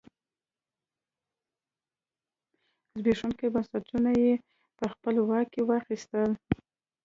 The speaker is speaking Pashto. زبېښونکي بنسټونه یې په خپل واک کې واخیستل.